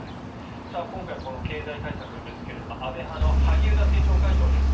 今回の経済対策ですが安倍派の萩生田政調会長です。